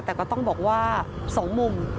แต่ก็ต้องบอกว่า๒มุม